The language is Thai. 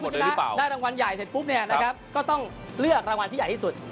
คุณชนะได้รางวัลใหญ่เสร็จปุ๊บเนี่ยนะครับก็ต้องเลือกรางวัลที่ใหญ่ที่สุด